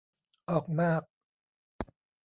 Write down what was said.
ออกมาก